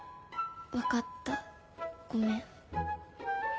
分かったごめん。